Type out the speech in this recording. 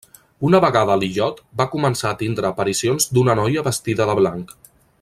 Una vegada a l'illot, va començar a tindre aparicions d'una noia vestida de blanc.